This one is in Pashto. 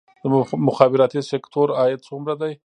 د مخابراتي سکتور عاید څومره دی؟